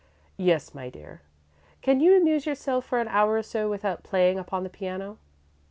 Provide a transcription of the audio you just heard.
"Yes, my dear. Can you amuse yourself for an hour or so without playing upon the piano?"